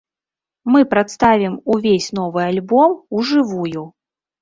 Мы прадставім увесь новы альбом у жывую.